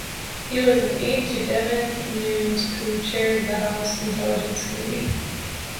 He was an aide to Devin Nunes who chaired the House Intelligence Committee.